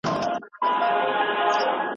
رنګیلا ورک وو په جام او په جامو کي